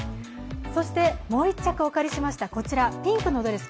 そして、もう１着お借りしました、ピンクのドレス。